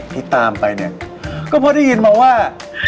ที่ตามไปเนี่ยก็พอได้ยินมาว่า